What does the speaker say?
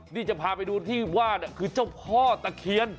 นี่จะพาไปดูที่ว่าเนี่ยคือเจ้าพ่อตะเคียน